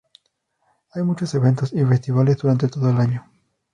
Hay muchos eventos y festivales durante todo el año.